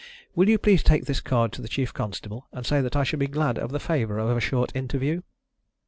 Will you please take this card to the chief constable and say that I should be glad of the favour of a short interview?